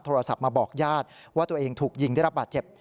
โทรศัพท์มาบอกญาติว่าตัวเองถูกยิงได้รับบาดเจ็บ